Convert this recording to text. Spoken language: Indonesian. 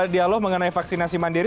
dialog mengenai vaksinasi mandiri